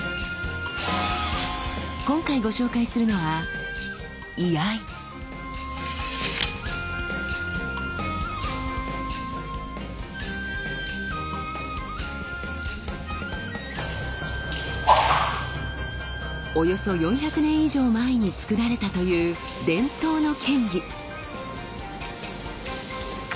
今回ご紹介するのはおよそ４００年以上前に作られたという伝統の剣技。